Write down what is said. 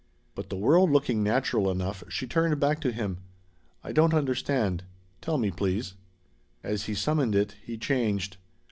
But the world looking natural enough, she turned back to him. "I don't understand. Tell me, please." As he summoned it, he changed.